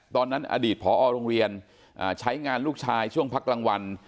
ตอนนั้นอดีตผอโรงเรียนใช้งานลูกชายช่วงพักรางวัล